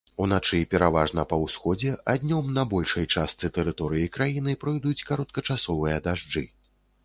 Уначы пераважна па ўсходзе, а днём на большай частцы тэрыторыі краіны пройдуць кароткачасовыя дажджы.